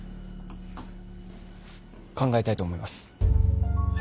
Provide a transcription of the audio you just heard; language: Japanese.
考えたいと思います。